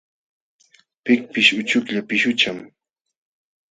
Pikpish uchuklla pishqucham.